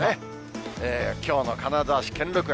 きょうの金沢市、兼六園。